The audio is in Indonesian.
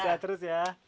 sehat terus ya